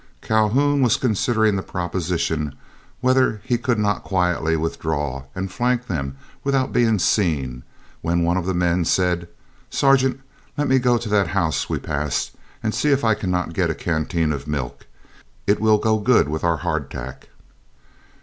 Calhoun was considering the proposition whether he could not quietly withdraw, and flank them without being seen, when one of the men said: "Sergeant, let me go to that house we passed and see if I cannot get a canteen of milk. It will go good with our hardtack."